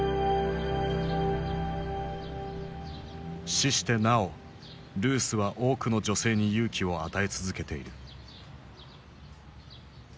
死してなおルースは多くの女性に勇気を与え続けている。